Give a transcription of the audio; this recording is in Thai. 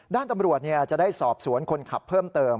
ด้านตำรวจจะได้สอบสวนคนขับเพิ่มเติม